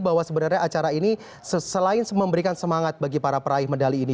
bahwa sebenarnya acara ini selain memberikan semangat bagi para peraih medali ini